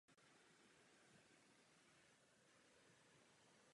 Ve studiích pokračoval v Paříži na Conservatoire de Paris.